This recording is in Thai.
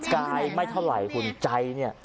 กายไม่เท่าไหร่คุณใจเนี่ย